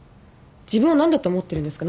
自分を何だと思ってるんですか？